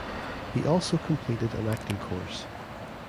He also completed an acting course.